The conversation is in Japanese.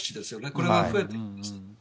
これが増えています。